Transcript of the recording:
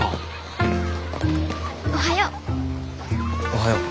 おはよう。